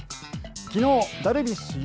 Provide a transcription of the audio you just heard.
昨日ダルビッシュ有